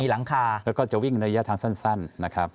มีหลังคาจะวิ่งทางสั้นนะครับ